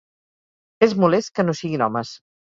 És molest que no siguin homes.